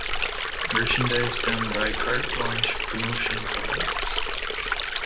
Merchandise done by Carte Blanche Promotional Products.